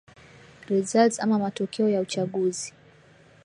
results ama matokeo ya uchaguzi